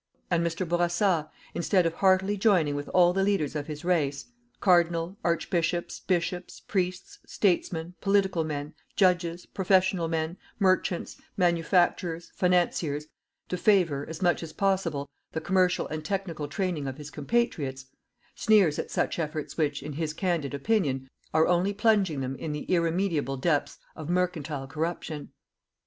And Mr. Bourassa, instead of heartily joining with all the leaders of his race Cardinal, Archbishops, Bishops, priests, statesmen, political men, judges, professional men, merchants, manufacturers, financiers, to favour, as much as possible, the commercial and technical training of his compatriots, sneers at such efforts which, in his candid opinion, are only plunging them in the irremediable depths of "MERCANTILE CORRUPTION"!